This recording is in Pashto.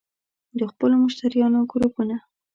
- د خپلو مشتریانو ګروپونه